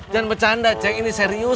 jangan bercanda cek ini serius